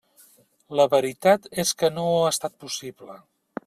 La veritat és que no ha estat possible.